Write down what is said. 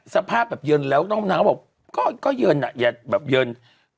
สภาพแบบเยินแล้วนางก็บอกก็เยินอะแบบเยิน